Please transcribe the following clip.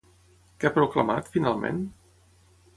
Què ha proclamat, finalment?